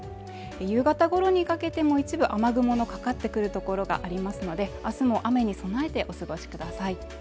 夕方頃にかけてもう一部雨雲のかかってくるところがありますので、明日も雨に備えてお過ごしください。